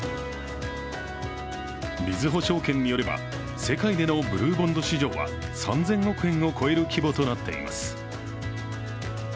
みずほ証券によれば世界でのブルーボンド市場は３０００億円を超える規模となっています。